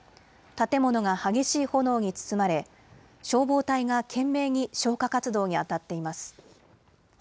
建物が激しい炎に包まれ消防隊が懸命に消火活動にあたっています。